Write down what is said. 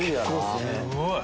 すごい！